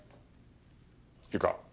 いいか？